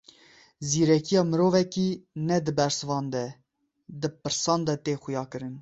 Zîrekiya mirovekî ne di bersivan de, di pirsan de tê xuyakirin.